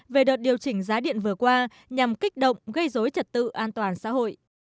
về đợt điều chỉnh giá điện vừa qua nhằm kích động gây dối trật tự an toàn xã hội